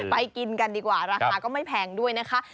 ไปกินกันดีกว่าราคาก็ไม่แพงด้วยนะคะ